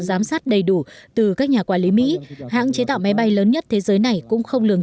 giám sát đầy đủ từ các nhà quản lý mỹ hãng chế tạo máy bay lớn nhất thế giới này cũng không lường